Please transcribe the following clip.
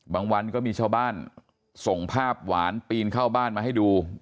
วันก็มีชาวบ้านส่งภาพหวานปีนเข้าบ้านมาให้ดู